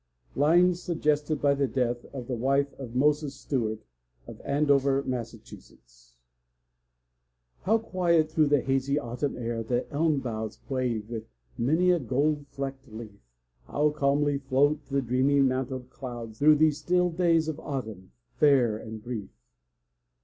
LINES SUGGESTED BY THE DEATH OF THE WIFE OF MOSES STUART, OF ANDOVER, MASS. How quiet, through the hazy autumn air, The elm boughs wave with many a gold flecked leaf! How calmly float the dreamy mantled clouds Through these still days of autumn, fair and brief!